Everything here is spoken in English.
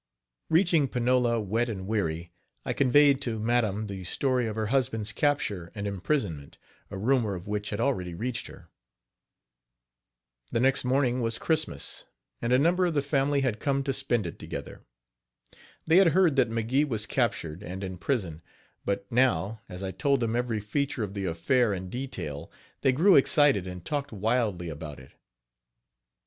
Reaching Panola, wet and weary, I conveyed to madam the story of her husband's capture and imprisonment, a rumor of which had already reached her. The next morning was Christmas, and a number of the family had come to spend it together. They had heard that McGee was captured and in prison; but, now, as I told them every feature of the affair in detail, they grew excited and talked wildly about it.